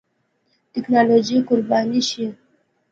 ټېکنالوژي قرباني شي.